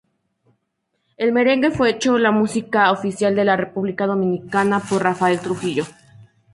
El merengue fue hecho la música oficial de la República Dominicana por Rafael Trujillo.